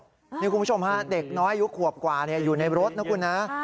คุณผู้ชมเด็กน้อยอยู่ขวบกว่าอยู่ในรถนะครับ